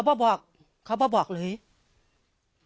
ภรรยาก็บอกว่านายเทวีอ้างว่าไม่จริงนายทองม่วนขโมย